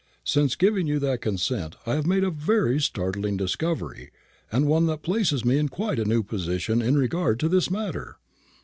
Since giving you that consent I have made a very startling discovery, and one that places me in quite a new position in regard to this matter."